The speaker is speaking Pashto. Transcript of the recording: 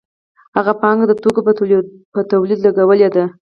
هغه پانګه د توکو په تولید لګولې ده